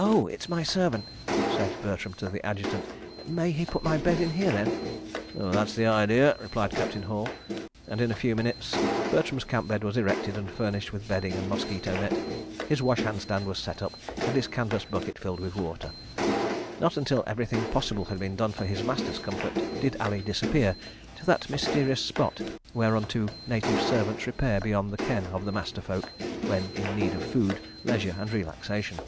"Oh—it's my servant," said Bertram to the Adjutant. "May he put my bed in here, then?" "That's the idea," replied Captain Hall, and, in a few minutes, Bertram's camp bed was erected and furnished with bedding and mosquito net, his washhand stand was set up, and his canvas bucket filled with water. Not until everything possible had been done for his master's comfort did Ali disappear to that mysterious spot whereunto native servants repair beyond the ken of the master folk, when in need of food, leisure and relaxation.